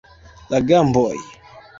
La gamboj.